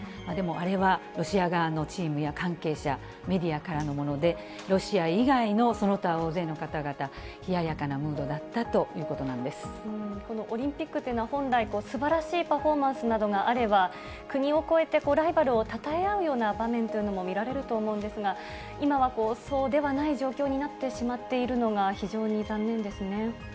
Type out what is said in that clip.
でも、あれはロシア側のチームや関係者、メディアからのもので、ロシア以外のその他大勢の方々、冷ややかなムードだったというここのオリンピックというのは、本来、すばらしいパフォーマンスなどがあれば、国を超えて、ライバルをたたえ合うような場面というのも見られると思うんですが、今はそうではない状況になってしまっているのが非常に残念ですね。